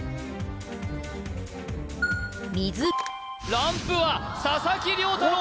ランプは佐々木涼太郎